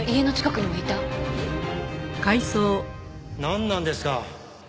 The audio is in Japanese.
なんなんですか？